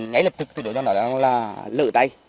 ngay lập tức đối tượng nói là lỡ tay